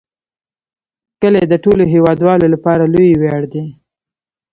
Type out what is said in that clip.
کلي د ټولو هیوادوالو لپاره لوی ویاړ دی.